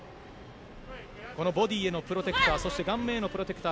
ボディーへのプロテクターそして顔面へのプロテクター